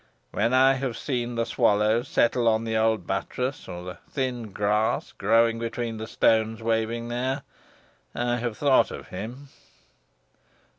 When I have seen the swallows settle on the old buttress, or the thin grass growing between the stones waving there, I have thought of him."